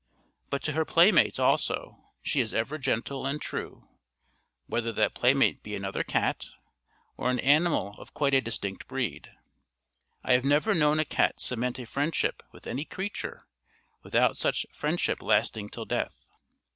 But to her playmates also she is ever gentle and true, whether that playmate be another cat, or an animal of quite a distinct breed. I have never known a cat cement a friendship with any creature, without such friendship lasting till death.